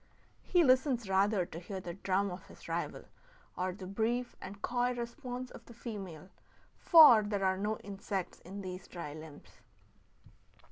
He listens rather to hear the drum of his rival or the brief and coy response of the female; for there are no insects in these dry limbs.